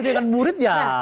burit dengan murid ya